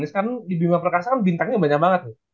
sekarang di bima perkasa kan bintangnya banyak banget nih